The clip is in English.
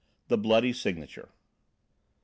X THE BLOODY SIGNATURE M.